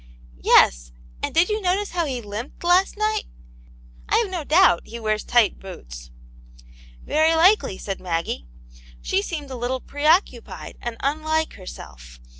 " Yes ; and did you notice how he limped, last night ? I have no doubt he wears tight boots." Very likely," said Maggie. She seemed a little pre occupied, and unlike herself.